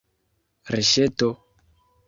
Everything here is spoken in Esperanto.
Reŝeto!